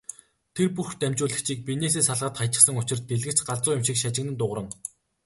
Тэр бүх дамжуулагчийг биенээсээ салгаад хаячихсан учир дэлгэц галзуу юм шиг шажигнан дуугарна.